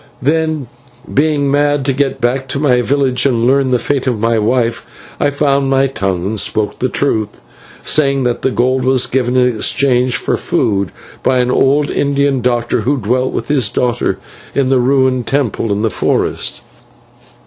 "Then, being mad to get back to my village and learn the fate of my wife, I found my tongue and spoke the truth, saying that the gold was given in exchange for food by an old Indian doctor, who dwelt with his daughter in a ruined temple in the forest.